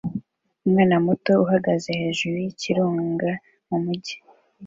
Umwana muto uhagaze hejuru yikirunga mumujyi